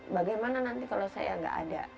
bagaimana nanti kalau saya nggak ada